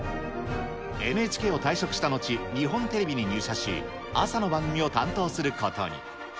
ＮＨＫを退職したのち、日本テレビに入社し、朝の番組を担当することに。